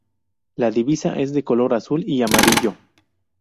La divisa es de color azul y amarillo.